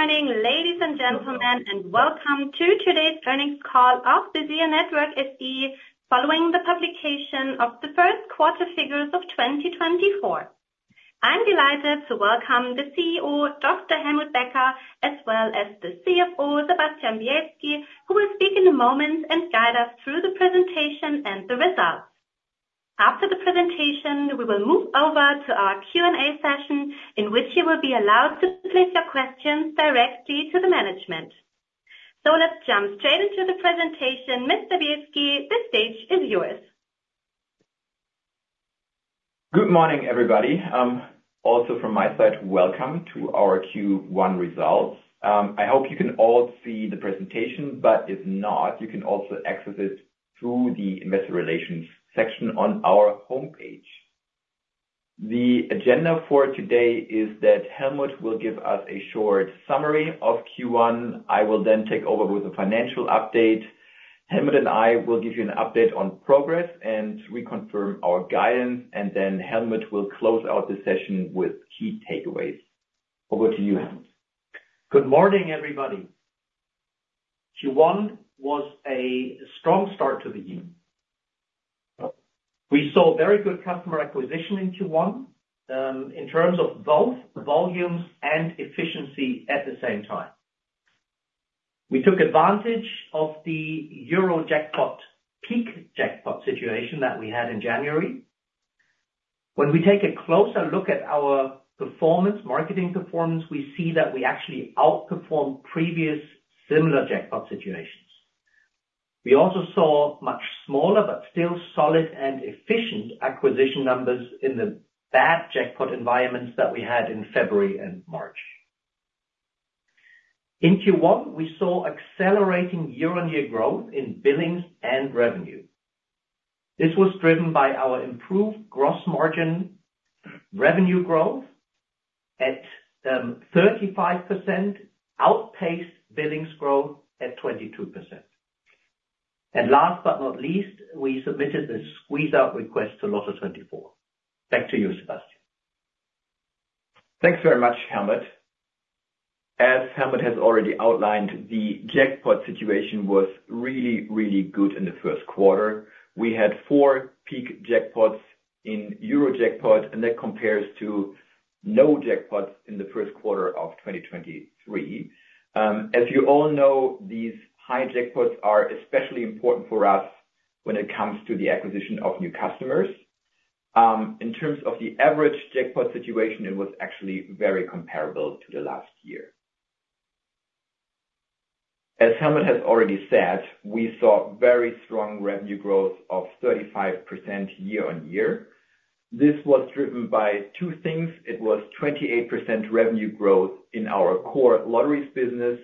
Good morning, ladies and gentlemen, and welcome to today's earnings call of the ZEAL Network SE following the publication of the first quarter figures of 2024. I'm delighted to welcome the CEO, Dr. Helmut Becker, as well as the CFO, Sebastian Bielski, who will speak in a moment and guide us through the presentation and the results. After the presentation, we will move over to our Q&A session in which you will be allowed to place your questions directly to the management. So let's jump straight into the presentation. Mr. Bielski, the stage is yours. Good morning, everybody. Also from my side, welcome to our Q1 results. I hope you can all see the presentation, but if not, you can also access it through the investor relations section on our homepage. The agenda for today is that Helmut will give us a short summary of Q1. I will then take over with a financial update. Helmut and I will give you an update on progress and reconfirm our guidance, and then Helmut will close out the session with key takeaways. Over to you, Helmut. Good morning, everybody. Q1 was a strong start to the year. We saw very good customer acquisition in Q1, in terms of both volumes and efficiency at the same time. We took advantage of the Eurojackpot peak jackpot situation that we had in January. When we take a closer look at our performance, marketing performance, we see that we actually outperformed previous similar jackpot situations. We also saw much smaller but still solid and efficient acquisition numbers in the bad jackpot environments that we had in February and March. In Q1, we saw accelerating year-on-year growth in billings and revenue. This was driven by our improved gross margin revenue growth at 35%, outpaced billings growth at 22%. And last but not least, we submitted the squeeze-out request to LOTTO24. Back to you, Sebastian. Thanks very much, Helmut. As Helmut has already outlined, the jackpot situation was really, really good in the first quarter. We had four peak jackpots in Eurojackpot, and that compares to no jackpots in the first quarter of 2023. As you all know, these high jackpots are especially important for us when it comes to the acquisition of new customers. In terms of the average jackpot situation, it was actually very comparable to the last year. As Helmut has already said, we saw very strong revenue growth of 35% year-on-year. This was driven by two things. It was 28% revenue growth in our core lotteries business,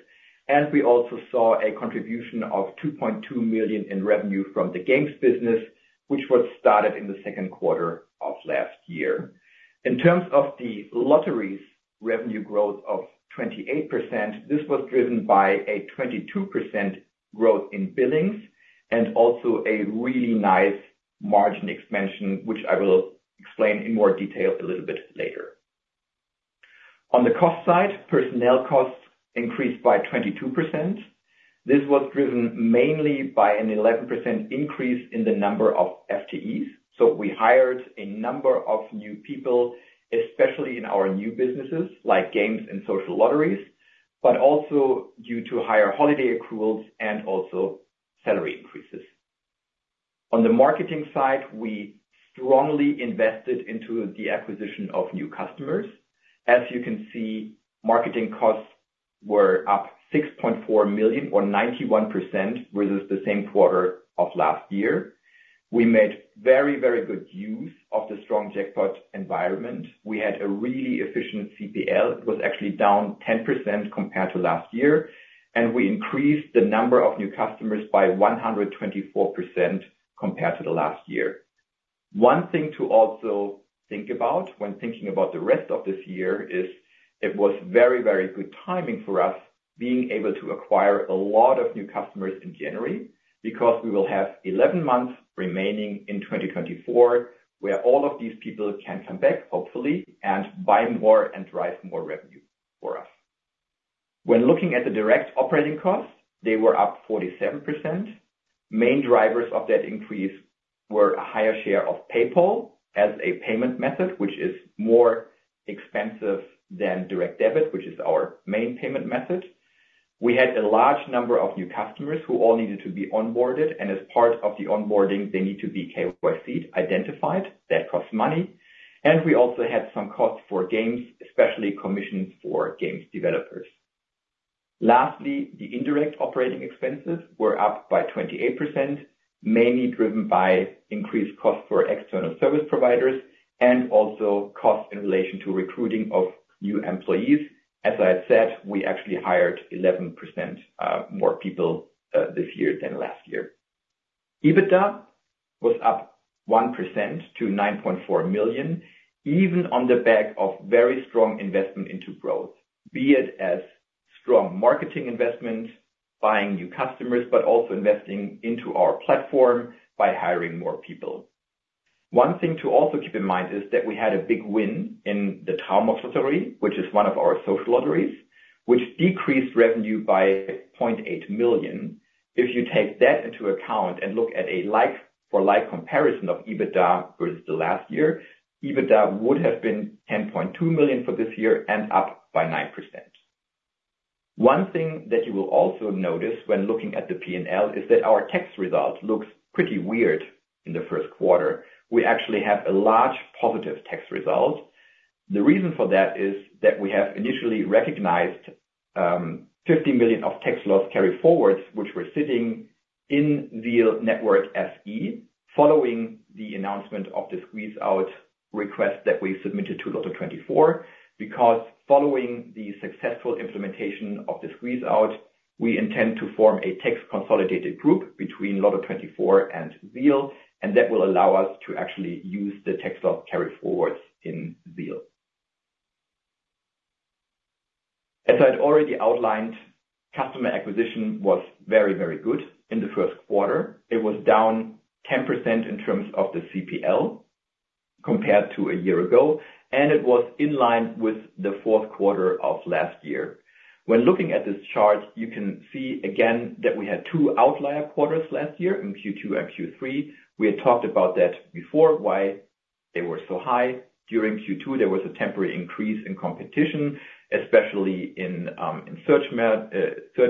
and we also saw a contribution of 2.2 million in revenue from the games business, which was started in the second quarter of last year. In terms of the lotteries revenue growth of 28%, this was driven by a 22% growth in billings and also a really nice margin expansion, which I will explain in more detail a little bit later. On the cost side, personnel costs increased by 22%. This was driven mainly by an 11% increase in the number of FTEs. So we hired a number of new people, especially in our new businesses like games and social lotteries, but also due to higher holiday accruals and also salary increases. On the marketing side, we strongly invested into the acquisition of new customers. As you can see, marketing costs were up 6.4 million or 91% versus the same quarter of last year. We made very, very good use of the strong jackpot environment. We had a really efficient CPL. It was actually down 10% compared to last year, and we increased the number of new customers by 124% compared to the last year. One thing to also think about when thinking about the rest of this year is it was very, very good timing for us being able to acquire a lot of new customers in January because we will have 11 months remaining in 2024 where all of these people can come back, hopefully, and buy more and drive more revenue for us. When looking at the direct operating costs, they were up 47%. Main drivers of that increase were a higher share of PayPal as a payment method, which is more expensive than direct debit, which is our main payment method. We had a large number of new customers who all needed to be onboarded, and as part of the onboarding, they need to be KYC-identified. That costs money. We also had some costs for games, especially commissions for games developers. Lastly, the indirect operating expenses were up by 28%, mainly driven by increased costs for external service providers and also costs in relation to recruiting of new employees. As I had said, we actually hired 11% more people this year than last year. EBITDA was up 1% to 9.4 million, even on the back of very strong investment into growth, be it as strong marketing investment, buying new customers, but also investing into our platform by hiring more people. One thing to also keep in mind is that we had a big win in the Traumhaus Lottery, which is one of our social lotteries, which decreased revenue by 0.8 million. If you take that into account and look at a like-for-like comparison of EBITDA versus the last year, EBITDA would have been 10.2 million for this year and up by 9%. One thing that you will also notice when looking at the P&L is that our tax result looks pretty weird in the first quarter. We actually have a large positive tax result. The reason for that is that we have initially recognized 50 million of tax loss carry-forwards, which were sitting in ZEAL Network SE following the announcement of the squeeze-out request that we submitted to LOTTO24 because following the successful implementation of the squeeze-out, we intend to form a tax consolidated group between LOTTO24 and ZEAL, and that will allow us to actually use the tax loss carry-forwards in ZEAL. As I had already outlined, customer acquisition was very, very good in the first quarter. It was down 10% in terms of the CPL compared to a year ago, and it was in line with the fourth quarter of last year. When looking at this chart, you can see again that we had two outlier quarters last year in Q2 and Q3. We had talked about that before, why they were so high. During Q2, there was a temporary increase in competition, especially in search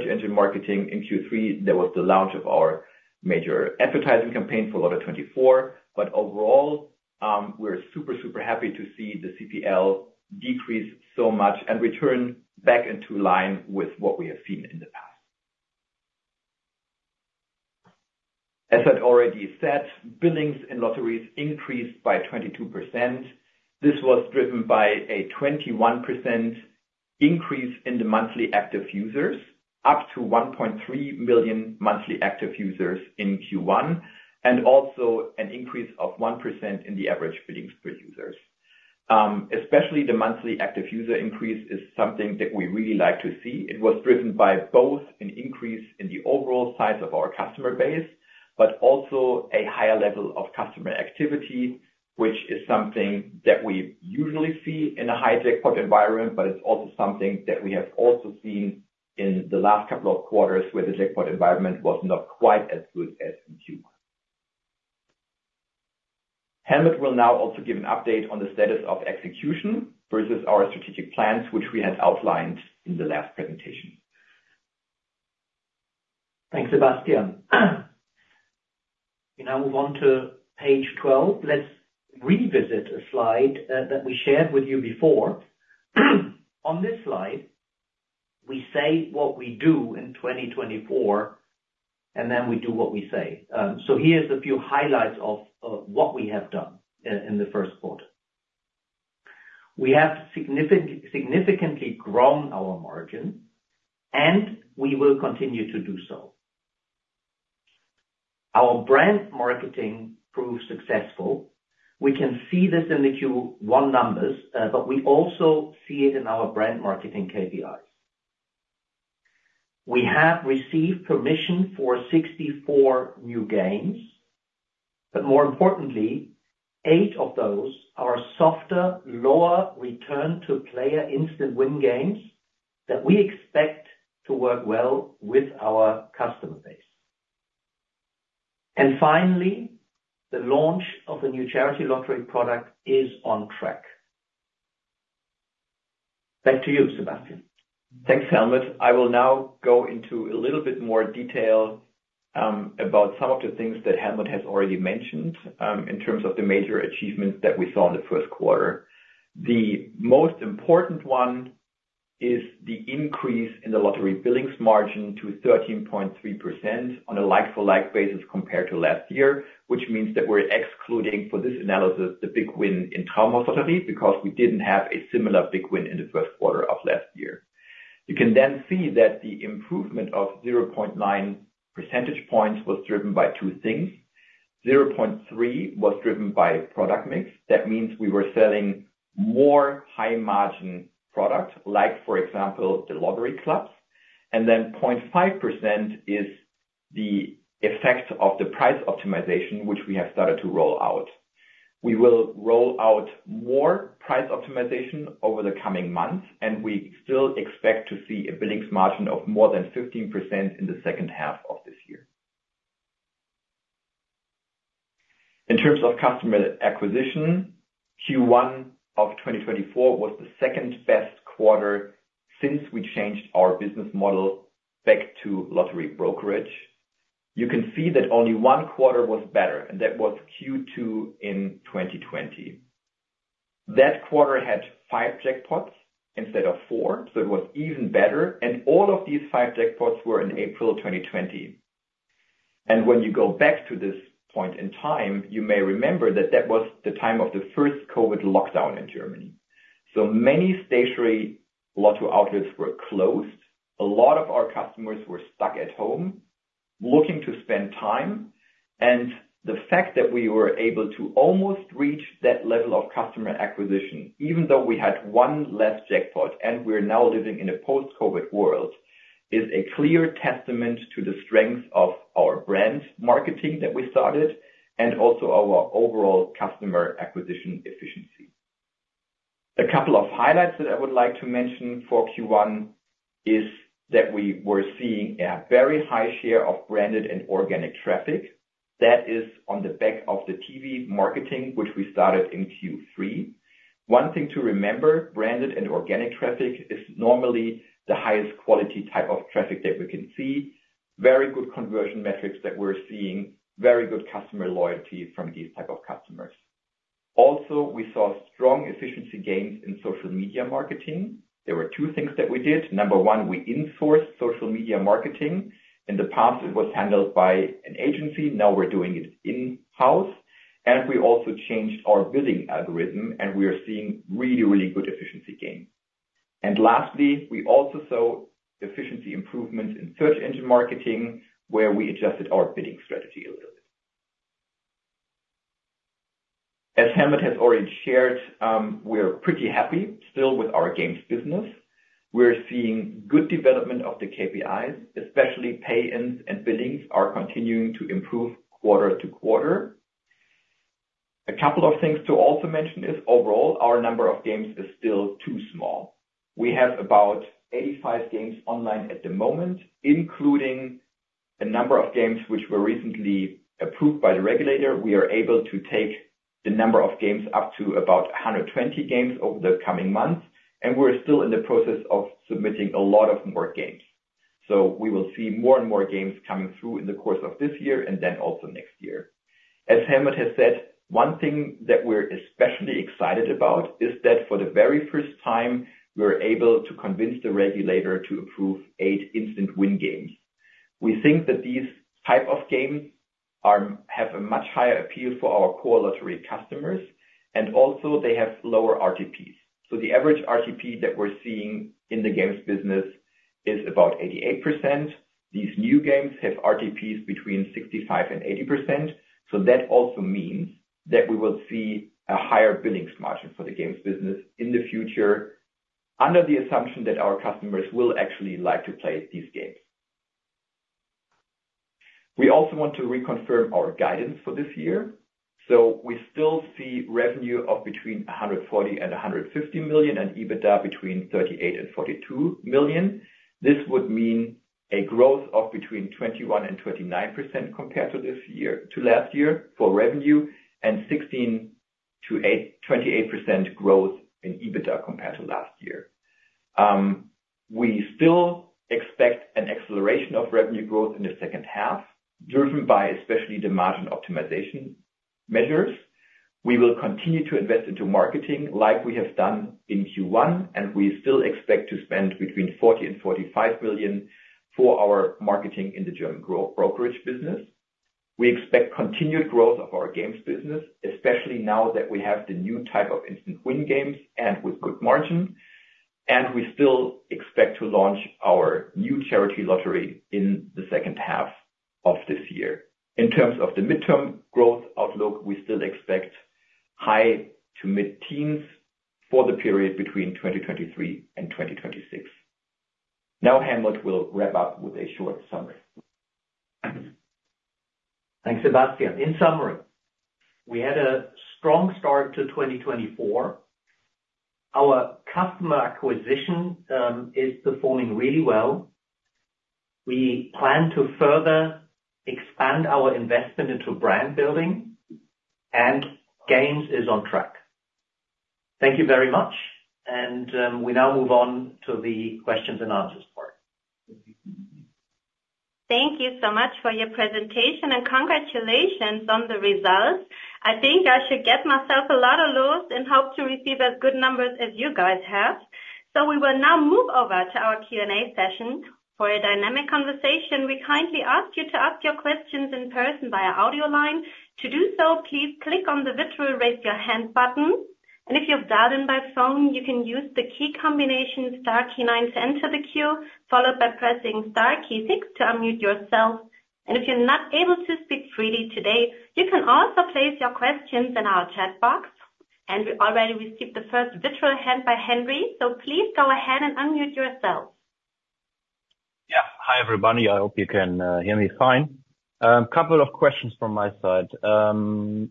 engine marketing. In Q3, there was the launch of our major advertising campaign for LOTTO24. But overall, we're super, super happy to see the CPL decrease so much and return back into line with what we have seen in the past. As I'd already said, billings and lotteries increased by 22%. This was driven by a 21% increase in the monthly active users, up to 1.3 million monthly active users in Q1, and also an increase of 1% in the average billings per user. Especially the monthly active user increase is something that we really like to see. It was driven by both an increase in the overall size of our customer base, but also a higher level of customer activity, which is something that we usually see in a high jackpot environment, but it's also something that we have also seen in the last couple of quarters where the jackpot environment was not quite as good as in Q1. Helmut will now also give an update on the status of execution versus our strategic plans, which we had outlined in the last presentation. Thanks, Sebastian. We now move on to page 12. Let's revisit a slide that we shared with you before. On this slide, we say what we do in 2024, and then we do what we say. So here's a few highlights of what we have done in the first quarter. We have significantly grown our margin, and we will continue to do so. Our brand marketing proved successful. We can see this in the Q1 numbers, but we also see it in our brand marketing KPIs. We have received permission for 64 new games, but more importantly, eight of those are softer, lower return-to-player instant win games that we expect to work well with our customer base. And finally, the launch of a new charity lottery product is on track. Back to you, Sebastian. Thanks, Helmut. I will now go into a little bit more detail about some of the things that Helmut has already mentioned, in terms of the major achievements that we saw in the first quarter. The most important one is the increase in the lottery billings margin to 13.3% on a like-for-like basis compared to last year, which means that we're excluding for this analysis the big win in Traumhaus Lottery because we didn't have a similar big win in the first quarter of last year. You can then see that the improvement of 0.9 percentage points was driven by two things. 0.3 was driven by product mix. That means we were selling more high-margin product, like, for example, the lottery clubs. Then 0.5% is the effect of the price optimization, which we have started to roll out. We will roll out more price optimization over the coming months, and we still expect to see a billings margin of more than 15% in the second half of this year. In terms of customer acquisition, Q1 of 2024 was the second best quarter since we changed our business model back to lottery brokerage. You can see that only one quarter was better, and that was Q2 in 2020. That quarter had five jackpots instead of four, so it was even better. And all of these five jackpots were in April 2020. And when you go back to this point in time, you may remember that that was the time of the first COVID lockdown in Germany. So many stationary lottery outlets were closed. A lot of our customers were stuck at home looking to spend time. The fact that we were able to almost reach that level of customer acquisition, even though we had one less jackpot and we're now living in a post-COVID world, is a clear testament to the strength of our brand marketing that we started and also our overall customer acquisition efficiency. A couple of highlights that I would like to mention for Q1 is that we were seeing a very high share of branded and organic traffic. That is on the back of the TV marketing, which we started in Q3. One thing to remember, branded and organic traffic is normally the highest quality type of traffic that we can see, very good conversion metrics that we're seeing, very good customer loyalty from these types of customers. Also, we saw strong efficiency gains in social media marketing. There were two things that we did. Number one, we insourced social media marketing. In the past, it was handled by an agency. Now we're doing it in-house. And we also changed our bidding algorithm, and we are seeing really, really good efficiency gains. And lastly, we also saw efficiency improvements in search engine marketing where we adjusted our bidding strategy a little bit. As Helmut has already shared, we're pretty happy still with our games business. We're seeing good development of the KPIs, especially pay-ins and billings are continuing to improve quarter to quarter. A couple of things to also mention is overall, our number of games is still too small. We have about 85 games online at the moment, including a number of games which were recently approved by the regulator. We are able to take the number of games up to about 120 games over the coming months, and we're still in the process of submitting a lot of more games. So we will see more and more games coming through in the course of this year and then also next year. As Helmut has said, one thing that we're especially excited about is that for the very first time, we were able to convince the regulator to approve eight instant win games. We think that these types of games have a much higher appeal for our core lottery customers, and also they have lower RTPs. So the average RTP that we're seeing in the games business is about 88%. These new games have RTPs between 65%-80%. So that also means that we will see a higher billings margin for the games business in the future, under the assumption that our customers will actually like to play these games. We also want to reconfirm our guidance for this year. So we still see revenue of between 140 million and 150 million and EBITDA between 38 million and 42 million. This would mean a growth of between 21% and 29% compared to last year for revenue and 16%-28% growth in EBITDA compared to last year. We still expect an acceleration of revenue growth in the second half driven by especially the margin optimization measures. We will continue to invest into marketing like we have done in Q1, and we still expect to spend between 40 million and 45 million for our marketing in the German lottery brokerage business. We expect continued growth of our games business, especially now that we have the new type of instant win games and with good margin. We still expect to launch our new charity lottery in the second half of this year. In terms of the midterm growth outlook, we still expect high to mid-teens for the period between 2023 and 2026. Now Helmut will wrap up with a short summary. Thanks, Sebastian. In summary, we had a strong start to 2024. Our customer acquisition is performing really well. We plan to further expand our investment into brand building, and games is on track. Thank you very much. We now move on to the questions and answers part. Thank you so much for your presentation, and congratulations on the results. I think I should get myself a lot of Lottos and hope to receive as good numbers as you guys have. We will now move over to our Q&A session. For a dynamic conversation, we kindly ask you to ask your questions in person via audio line. To do so, please click on the virtual raise your hand button. If you've dialed in by phone, you can use the key combination star key nine to enter the queue, followed by pressing star key six to unmute yourself. If you're not able to speak freely today, you can also place your questions in our chat box. We already received the first virtual hand by Henry, so please go ahead and unmute yourself. Yeah. Hi, everybody. I hope you can hear me fine. Couple of questions from my side.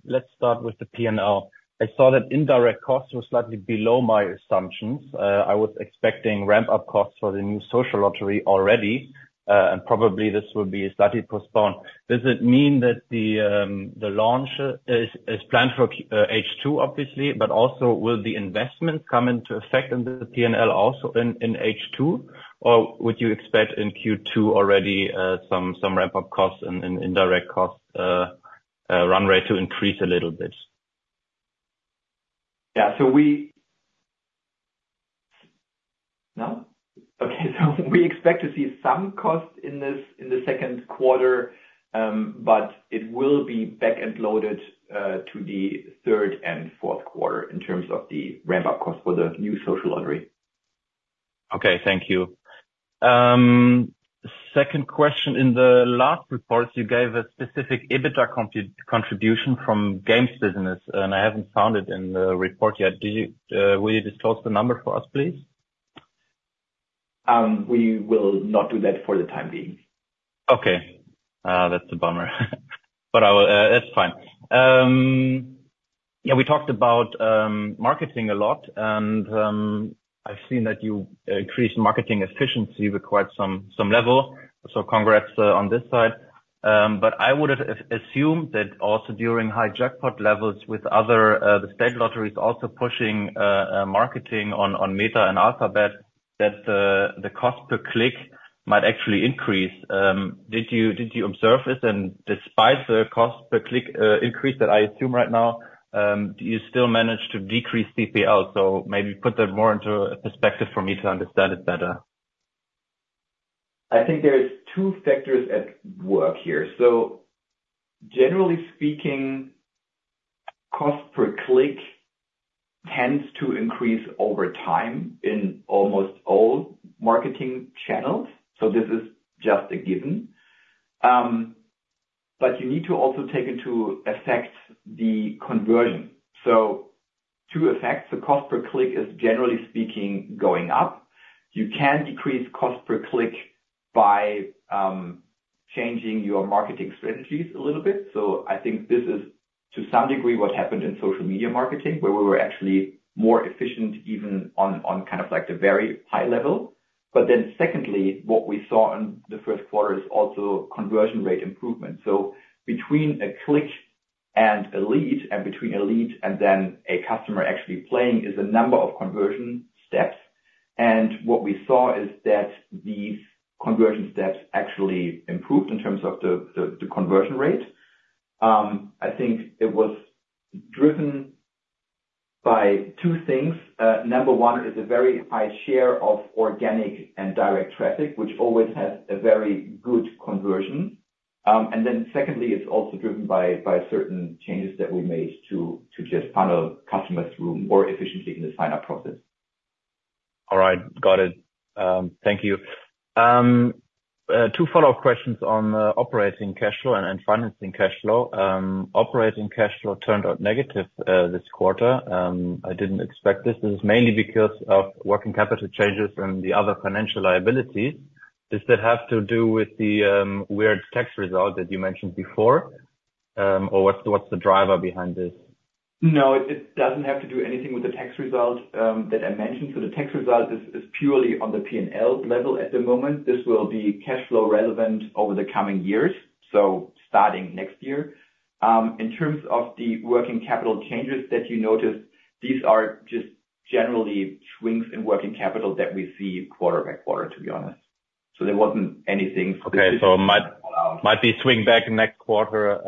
Let's start with the P&L. I saw that indirect costs were slightly below my assumptions. I was expecting ramp-up costs for the new social lottery already, and probably this will be slightly postponed. Does it mean that the launch is planned for H2, obviously, but also will the investments come into effect in the P&L also in H2, or would you expect in Q2 already some ramp-up costs and indirect costs run rate to increase a little bit? We expect to see some cost in the second quarter, but it will be back-loaded to the third and fourth quarters in terms of the ramp-up costs for the new social lottery. Okay. Thank you. Second question. In the last report, you gave a specific EBITDA contribution from games business, and I haven't found it in the report yet. Will you disclose the number for us, please? We will not do that for the time being. Okay. That's a bummer. But that's fine. Yeah, we talked about marketing a lot, and I've seen that you increased marketing efficiency required some level. So congrats on this side. But I would have assumed that also during high jackpot levels with the other state lottery is also pushing marketing on Meta and Alphabet, that the cost per click might actually increase. Did you observe this? And despite the cost per click increase that I assume right now, do you still manage to decrease CPL? So maybe put that more into perspective for me to understand it better. I think there are two factors at work here. So generally speaking, cost per click tends to increase over time in almost all marketing channels. So this is just a given. But you need to also take into effect the conversion. So two effects. The cost per click is generally speaking going up. You can decrease cost per click by changing your marketing strategies a little bit. So I think this is to some degree what happened in social media marketing, where we were actually more efficient even on kind of like the very high level. But then secondly, what we saw in the first quarter is also conversion rate improvement. So between a click and a lead and between a lead and then a customer actually playing is a number of conversion steps. What we saw is that these conversion steps actually improved in terms of the conversion rate. I think it was driven by two things. Number one, it is a very high share of organic and direct traffic, which always has a very good conversion. Then secondly, it's also driven by certain changes that we made to just funnel customers through more efficiently in the sign-up process. All right. Got it. Thank you. Two follow-up questions on operating cash flow and financing cash flow. Operating cash flow turned out negative this quarter. I didn't expect this. This is mainly because of working capital changes and the other financial liabilities. Does that have to do with the weird tax result that you mentioned before, or what's the driver behind this? No, it doesn't have to do anything with the tax result that I mentioned. So the tax result is purely on the P&L level at the moment. This will be cash flow relevant over the coming years, so starting next year. In terms of the working capital changes that you noticed, these are just generally swings in working capital that we see quarter by quarter, to be honest. So there wasn't anything specific. Okay. So it might swing back next quarter,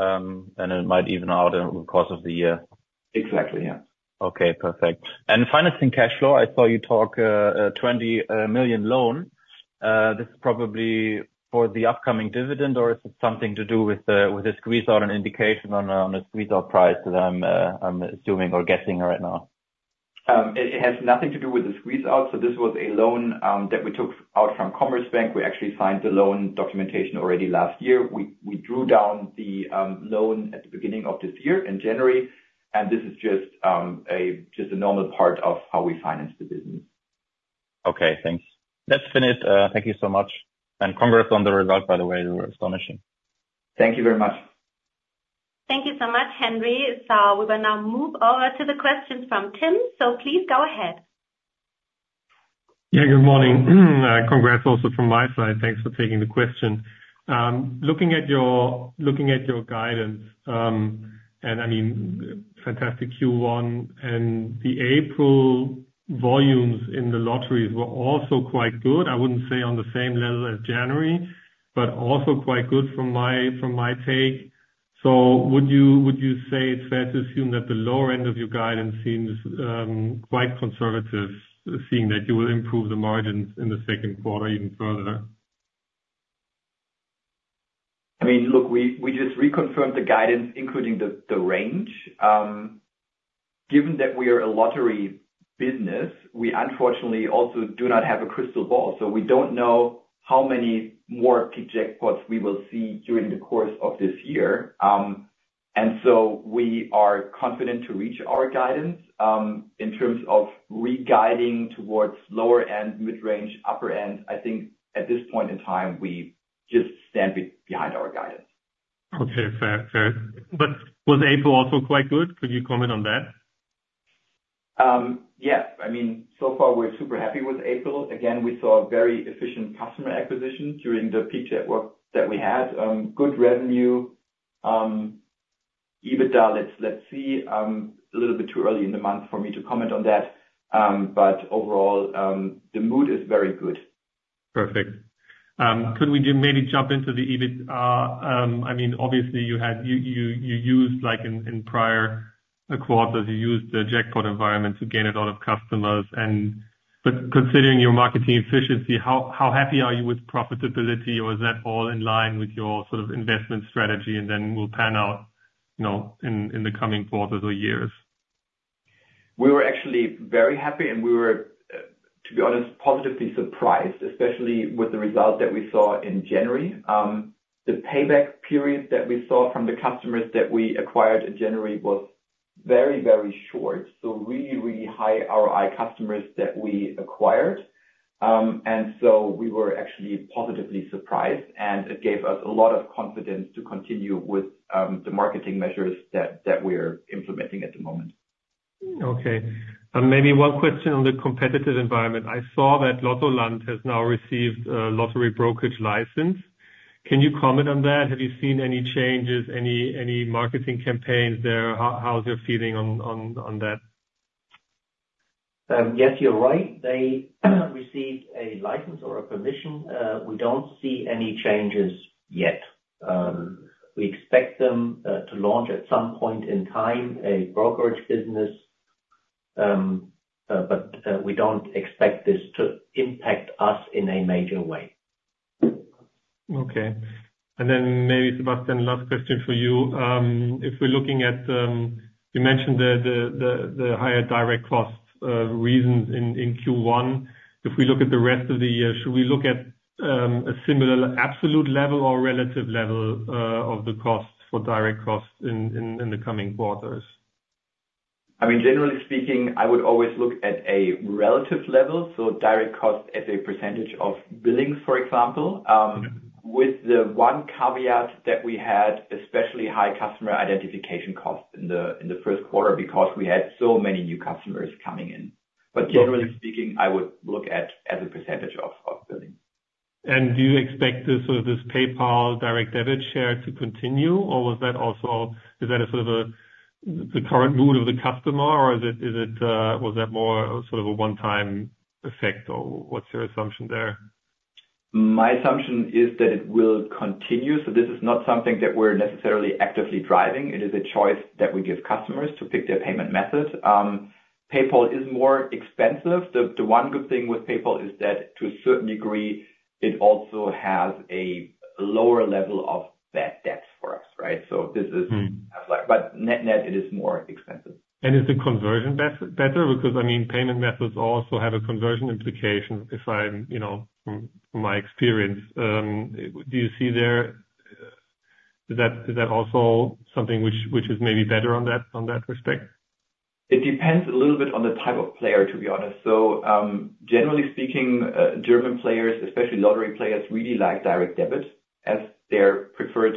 and it might even out over the course of the year. Exactly. Yeah. Okay. Perfect. And financing cash flow, I saw you talk about a 20 million loan. This is probably for the upcoming dividend, or is it something to do with a squeeze-out and indication on a squeeze-out price that I'm assuming or guessing right now? It has nothing to do with the squeeze-out. So this was a loan that we took out from Commerzbank. We actually signed the loan documentation already last year. We drew down the loan at the beginning of this year in January. And this is just a normal part of how we finance the business. Okay. Thanks. That's finished. Thank you so much. And congrats on the result, by the way. You were astonishing. Thank you very much. Thank you so much, Henry. We will now move over to the questions from Tim. Please go ahead. Yeah. Good morning. Congrats also from my side. Thanks for taking the question. Looking at your guidance, and I mean, fantastic Q1. And the April volumes in the lotteries were also quite good. I wouldn't say on the same level as January, but also quite good from my take. So would you say it's fair to assume that the lower end of your guidance seems quite conservative, seeing that you will improve the margins in the second quarter even further? I mean, look, we, we just reconfirmed the guidance, including the, the range. Given that we are a lottery business, we unfortunately also do not have a crystal ball. So we don't know how many more peak jackpots we will see during the course of this year. And so we are confident to reach our guidance, in terms of re-guiding towards lower end, mid-range, upper end. I think at this point in time, we just stand behind our guidance. Okay. Fair, fair. But was April also quite good? Could you comment on that? Yeah. I mean, so far, we're super happy with April. Again, we saw very efficient customer acquisition during the peak jackpot that we had, good revenue. EBITDA, let's, let's see. A little bit too early in the month for me to comment on that. But overall, the mood is very good. Perfect. Could we do maybe jump into the EBIT? I mean, obviously, you had used, like, in prior quarters, you used the jackpot environment to gain a lot of customers. But considering your marketing efficiency, how happy are you with profitability, or is that all in line with your sort of investment strategy and then will pan out, you know, in the coming quarters or years? We were actually very happy, and we were, to be honest, positively surprised, especially with the result that we saw in January. The payback period that we saw from the customers that we acquired in January was very, very short, so really, really high ROI customers that we acquired. And so we were actually positively surprised, and it gave us a lot of confidence to continue with the marketing measures that we are implementing at the moment. Okay. Maybe one question on the competitive environment. I saw that Lottoland has now received a lottery brokerage license. Can you comment on that? Have you seen any changes, any marketing campaigns there? How's your feeling on that? Yes, you're right. They received a license or a permission. We don't see any changes yet. We expect them to launch at some point in time a brokerage business. But we don't expect this to impact us in a major way. Okay. And then maybe, Sebastian, last question for you. If we're looking at, you mentioned the higher direct cost reasons in Q1. If we look at the rest of the year, should we look at a similar absolute level or relative level of the cost for direct cost in the coming quarters? I mean, generally speaking, I would always look at a relative level, so direct cost as a percentage of billings, for example, with the one caveat that we had, especially high customer identification cost in the first quarter because we had so many new customers coming in. But generally speaking, I would look at as a percentage of billing. Do you expect this sort of PayPal direct debit share to continue, or was that also sort of the current mood of the customer, or is it, was that more sort of a one-time effect, or what's your assumption there? My assumption is that it will continue. So this is not something that we're necessarily actively driving. It is a choice that we give customers to pick their payment method. PayPal is more expensive. The one good thing with PayPal is that to a certain degree, it also has a lower level of bad debts for us, right? So this is kind of like but net, net, it is more expensive. Is the conversion better? Because, I mean, payment methods also have a conversion implication if I'm, you know, from my experience. Do you see that? Is that also something which is maybe better on that respect? It depends a little bit on the type of player, to be honest. So, generally speaking, German players, especially lottery players, really like direct debit as their preferred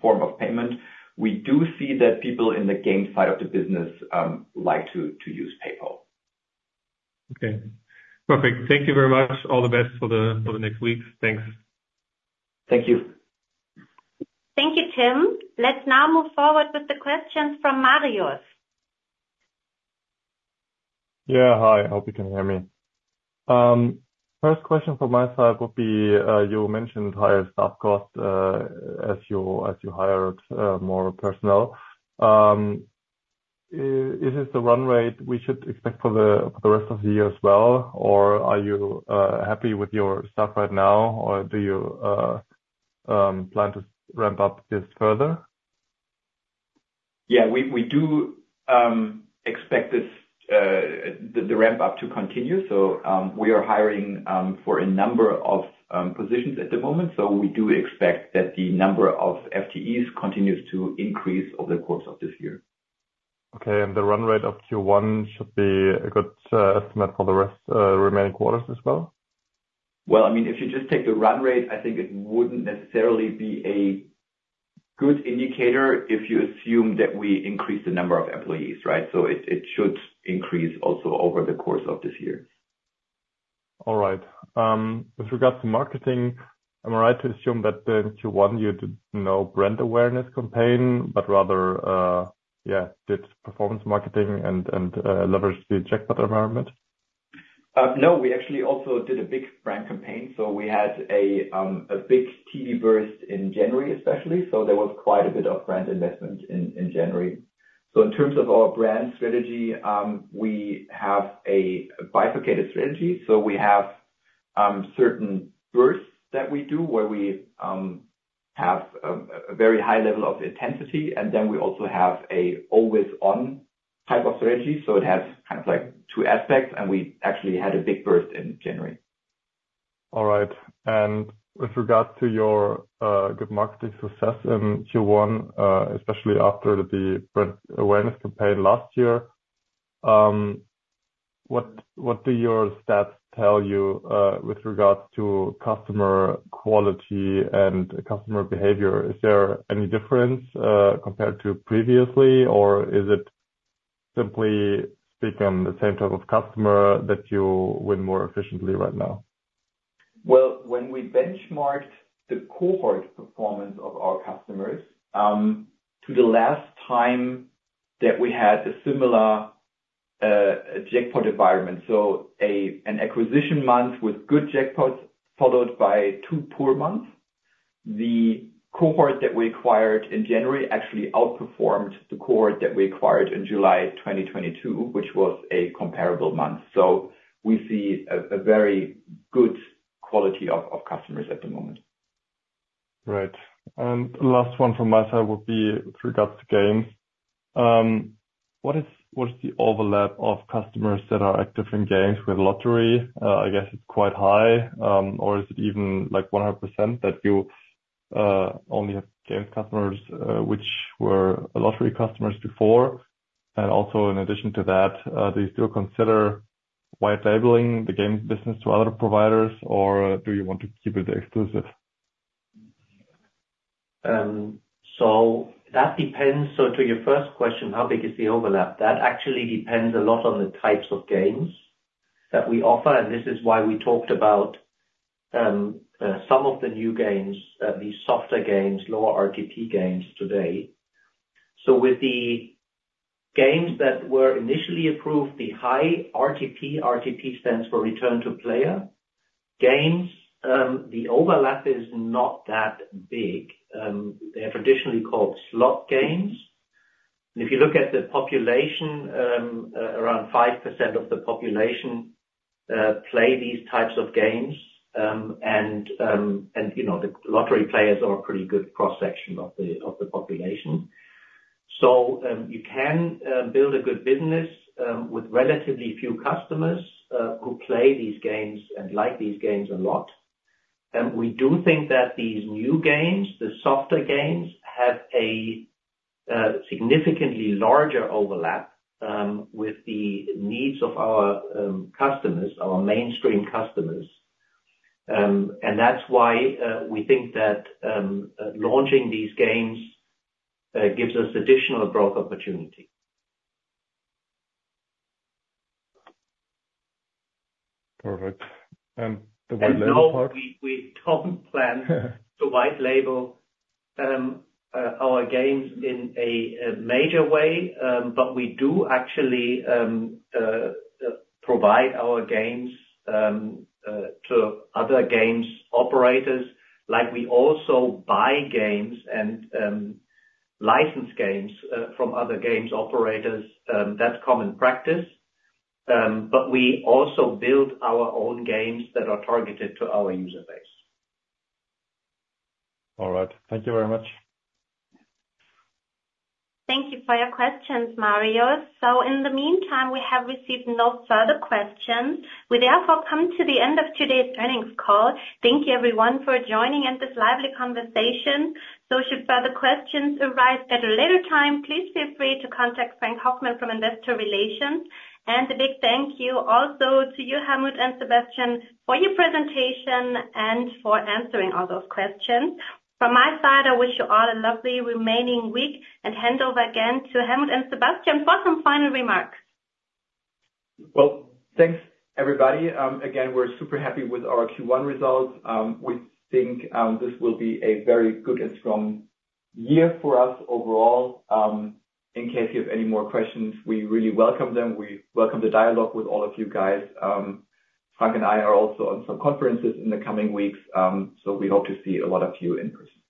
form of payment. We do see that people in the game side of the business like to use PayPal. Okay. Perfect. Thank you very much. All the best for the next week. Thanks. Thank you. Thank you, Tim. Let's now move forward with the questions from Marius. Yeah. Hi. I hope you can hear me. First question from my side would be, you mentioned higher staff cost, as you hired more personnel. Is this the run rate we should expect for the rest of the year as well, or are you happy with your staff right now, or do you plan to ramp up this further? Yeah. We do expect this ramp up to continue. So, we are hiring for a number of positions at the moment. So we do expect that the number of FTEs continues to increase over the course of this year. Okay. And the run rate of Q1 should be a good estimate for the rest remaining quarters as well? Well, I mean, if you just take the run rate, I think it wouldn't necessarily be a good indicator if you assume that we increase the number of employees, right? So it should increase also over the course of this year. All right. With regards to marketing, am I right to assume that the Q1 you did no brand awareness campaign, but rather, yeah, did performance marketing and leveraged the jackpot environment? No. We actually also did a big brand campaign. So we had a big TV burst in January, especially. So there was quite a bit of brand investment in January. So in terms of our brand strategy, we have a bifurcated strategy. So we have certain bursts that we have a very high level of intensity. And then we also have an always-on type of strategy. So it has kind of like two aspects. And we actually had a big burst in January. All right. With regards to your good marketing success in Q1, especially after the brand awareness campaign last year, what do your stats tell you with regards to customer quality and customer behavior? Is there any difference, compared to previously, or is it, simply speaking, the same type of customer that you win more efficiently right now? Well, when we benchmarked the cohort performance of our customers to the last time that we had a similar jackpot environment, so an acquisition month with good jackpots followed by two poor months, the cohort that we acquired in January actually outperformed the cohort that we acquired in July 2022, which was a comparable month. So we see a very good quality of customers at the moment. Right. And last one from my side would be with regards to games. What is the overlap of customers that are active in games with lottery? I guess it's quite high, or is it even, like, 100% that you only have games customers, which were lottery customers before? And also in addition to that, do you still consider white labeling the game business to other providers, or do you want to keep it exclusive? So that depends. So to your first question, how big is the overlap? That actually depends a lot on the types of games that we offer. And this is why we talked about, some of the new games, the softer games, lower RTP games today. So with the games that were initially approved, the high RTP RTP stands for return to player games, the overlap is not that big. They're traditionally called slot games. And if you look at the population, around 5% of the population play these types of games, and you know, the lottery players are a pretty good cross-section of the population. So you can build a good business with relatively few customers who play these games and like these games a lot. We do think that these new games, the softer games, have a significantly larger overlap with the needs of our customers, our mainstream customers. And that's why we think that launching these games gives us additional growth opportunity. Perfect. And the white label part? And no, we don't plan to white label our games in a major way. But we do actually provide our games to other games operators. Like, we also buy games and license games from other games operators. That's common practice. But we also build our own games that are targeted to our user base. All right. Thank you very much. Thank you for your questions, Marius. In the meantime, we have received no further questions. We therefore come to the end of today's earnings call. Thank you, everyone, for joining in this lively conversation. Should further questions arise at a later time, please feel free to contact Frank Hoffmann from Investor Relations. And a big thank you also to you, Helmut, and Sebastian, for your presentation and for answering all those questions. From my side, I wish you all a lovely remaining week. Hand over again to Helmut and Sebastian for some final remarks. Well, thanks, everybody. Again, we're super happy with our Q1 results. We think this will be a very good and strong year for us overall. In case you have any more questions, we really welcome them. We welcome the dialogue with all of you guys. Frank and I are also on some conferences in the coming weeks, so we hope to see a lot of you in person.